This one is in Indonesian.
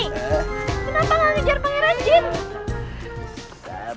kenapa gak ngejar pangeran jean